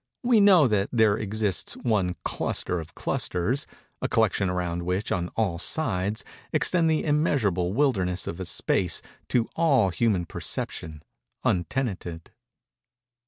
We know that there exists one cluster of clusters—a collection around which, on all sides, extend the immeasurable wildernesses of a Space to all human perception untenanted.